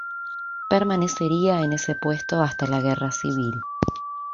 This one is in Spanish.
Permanecería en ese puesto hasta la guerra civil.